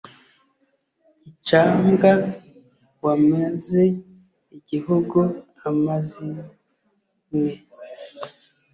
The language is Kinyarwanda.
Gicambwa wamaze igihugu amazimwe